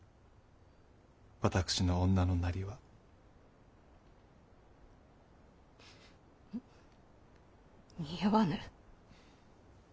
私の女のなりは。に似合わぬ。